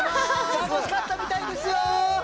たのしかったみたいですよ。